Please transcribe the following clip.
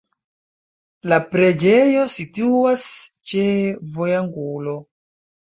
La preĝejo situas ĉe vojangulo.